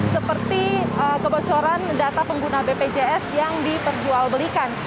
seperti kebocoran data pengguna bpjs yang diperjualbelikan